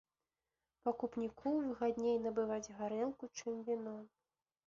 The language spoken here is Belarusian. Пакупніку выгадней набываць гарэлку, чым віно.